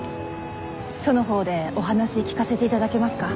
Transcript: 署の方でお話聞かせていただけますか？